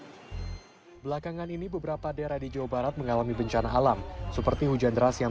hai belakangan ini beberapa daerah di jawa barat mengalami bencana alam seperti hujan deras yang